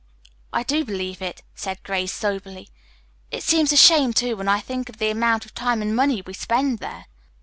"I do believe it," said Grace soberly. "It seems a shame, too, when I think of the amount of time and money we spend there."